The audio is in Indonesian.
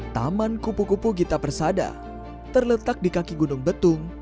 taman kupu kupu gita persada terletak di kaki gunung betung